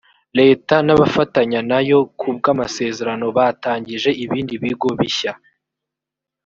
leta n abafatanya nayo ku bw amasezerano batangije ibindi bigo bishya